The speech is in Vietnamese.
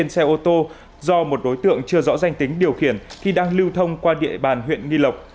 xe ô tô do một đối tượng chưa rõ danh tính điều khiển khi đang lưu thông qua địa bàn huyện nghi lộc